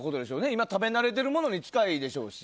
今、食べ慣れてるものに近いでしょうし。